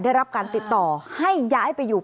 ได้รับการติดต่อให้ย้ายไปอยู่